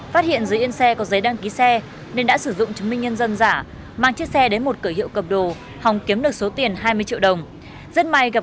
phát hiện dưới yên xe có giấy đăng ký xe nên đã sử dụng chứng minh nhân dân giả mang chiếc xe đến một cửa hiệu cầm đồ hòng kiếm được số tiền hai mươi triệu đồng